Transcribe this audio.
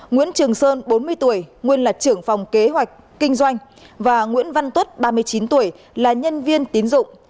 nguyễn trường sơn bốn mươi tuổi nguyên là trưởng phòng kế hoạch kinh doanh và nguyễn văn tuất ba mươi chín tuổi là nhân viên tín dụng